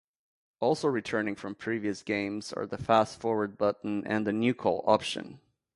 Also returning from previous games are the fast-forward button and the "nuke all" option.